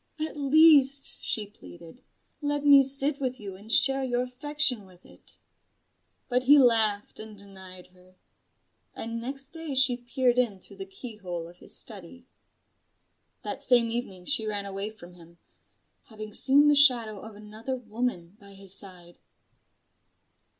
At least," she pleaded, "let me sit with you and share your affection with it." But he laughed and denied her: and next day she peered in through the keyhole of his study. That same evening she ran away from him: having seen the shadow of another woman by his side.